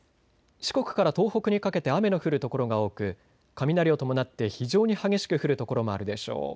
四国から東北にかけて雨の降る所が多く雷を伴って非常に激しく降る所もあるでしょう。